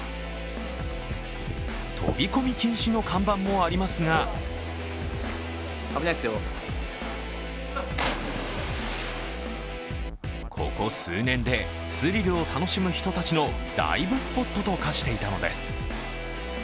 飛び込み禁止の看板もありますがここ数年でスリルを楽しむ人たちのダイブスポットと化していたのです。